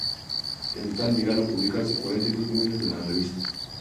En total, llegaron a publicarse cuarenta y dos volúmenes de la revista.